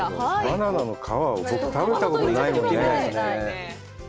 バナナの皮を僕、食べたことない。